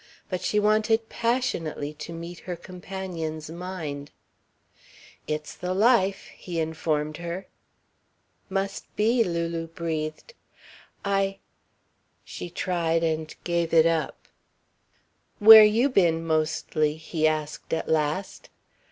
But she wanted passionately to meet her companion's mind. "It's the life," he informed her. "Must be," Lulu breathed. "I " she tried, and gave it up. "Where you been mostly?" he asked at last.